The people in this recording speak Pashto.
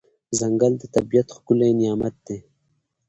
ځنګل د طبیعت ښکلی نعمت دی.